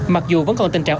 mặc dù vẫn còn tình trạng